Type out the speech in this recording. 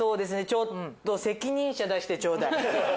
ちょっと責任者出してちょうだい。